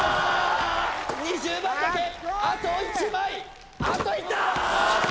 ２０番だけあと１枚あっといった！